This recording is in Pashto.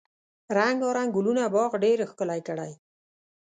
رنګارنګ ګلونه باغ ډیر ښکلی کړی.